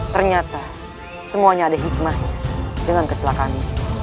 ternyata semuanya ada hikmahnya dengan kecelakaan